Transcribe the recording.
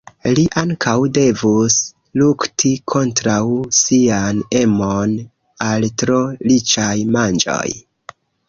Li ankaŭ devus lukti kontraŭ sian emon al tro riĉaj manĝoj.